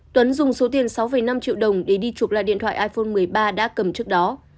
tuấn dùng số tiền sáu năm triệu đồng để đi chụp lại điện thoại iphone một mươi ba đã cầm trước đó